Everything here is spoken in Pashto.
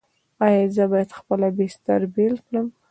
ایا زه باید خپله بستر بیله کړم؟